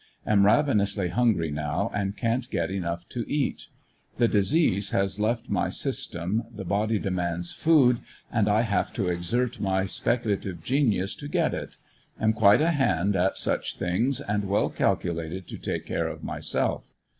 Am ravenously hungry now and can't get enough to eat. The disease has left my system, the body demands food, and I have to exert my speculative genius to get it, am quite a hand at such things and well calculated to take care of myself.